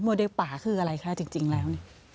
โมเดลป่าคืออะไรคะจริงแล้ว